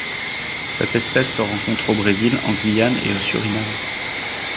Cette espèce se rencontre au Brésil, en Guyane et au Suriname.